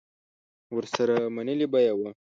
ورسره منلې به یې وه